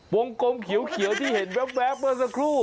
กลมเขียวที่เห็นแว๊บเมื่อสักครู่